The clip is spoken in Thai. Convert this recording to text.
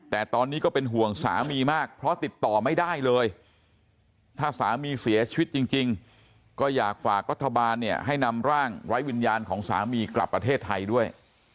แต่ตอนนี้ก็เป็นห่วงสามีมากเพราะติดต่อไม่ได้เลยถ้าสามีเสียชีวิตจริงก็อยากฝากรัฐบาลเนี่ยให้นำร่างไร้วิญญาณของสามีกลับประเทศไทยด้วย